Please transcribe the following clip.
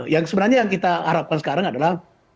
yang sebenarnya yang kita harapkan sekarang adalah